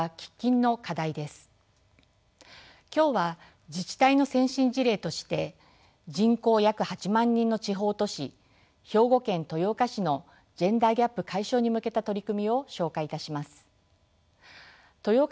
今日は自治体の先進事例として人口約８万人の地方都市兵庫県豊岡市のジェンダーギャップ解消に向けた取り組みを紹介いたします。